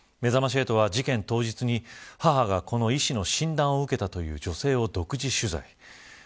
めざまし８は事件当日に母がこの医師の診断を受けたというと女性を独自取材。